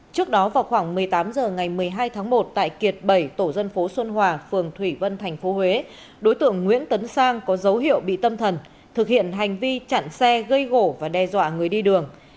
trước đó vào khoảng một mươi tám h ngày một mươi hai tháng một tại kiệt bảy tổ dân phố xuân hòa phường thủy vân tp huế đối tượng nguyễn tấn sang có dấu hiệu bị tâm thần thực hiện hành vi chặn xe gây gổ và đe dọa người đi đường